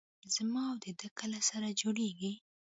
زما او د دې کله سره جوړېږي.